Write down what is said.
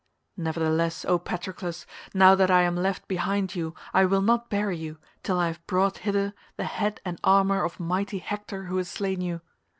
Nevertheless, O Patroclus, now that I am left behind you, I will not bury you, till I have brought hither the head and armour of mighty Hector who has slain you.